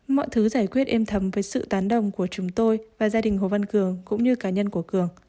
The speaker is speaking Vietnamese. mọi thứ giải quyết êm thấm với sự tán đồng của chúng tôi và gia đình hồ văn cường cũng như cá nhân của cường